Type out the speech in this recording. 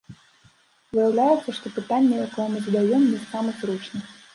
Выяўляецца, што пытанне, якое мы задаём, не з самых зручных.